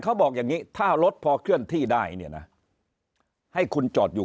เขาบอกอย่างนี้ถ้ารถพอเคลื่อนที่ได้เนี่ยนะให้คุณจอดอยู่